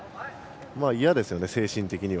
嫌ですよね、精神的には。